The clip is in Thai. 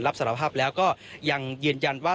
สารภาพแล้วก็ยังยืนยันว่า